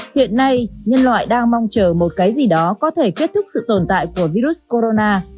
hiện nay nhân loại đang mong chờ một cái gì đó có thể kết thúc sự tồn tại của virus corona